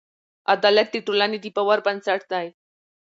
عدالت د ټولنې د باور بنسټ دی.